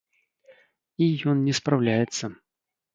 І ён не спраўляецца.